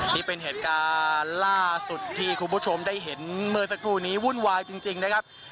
นี่เป็นเหตุการณ์ล่าสุดที่คุณผู้ชมได้เห็นเมื่อสักครู่นี้วุ่นวายจริงนะครับ